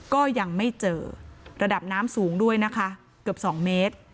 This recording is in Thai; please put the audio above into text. ก็ยังไม่เจอระดับน้ำสูงด้วยนะคะเกือบ๒เมตร